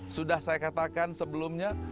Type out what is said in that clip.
sudah saya katakan sebelumnya